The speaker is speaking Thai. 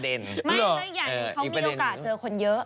ไม่เรื่องอย่างนี้เขามีโอกาสเจอคนเยอะ